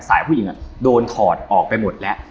ผู้หญิงโดนถอดออกไปหมดแล้ว